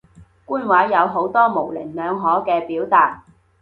官話有好多模棱兩可嘅表達